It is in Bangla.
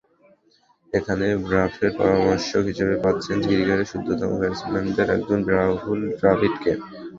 এখানে ব্রাফেট পরামর্শক হিসেবে পাচ্ছেন ক্রিকেটের শুদ্ধতম ব্যাটসম্যানদের একজন রাহুল দ্রাবিড়কে।